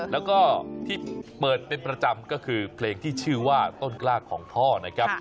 แล้วก็ที่เปิดเป็นประจำก็คือเพลงที่ชื่อว่าต้นกล้าของพ่อนะครับ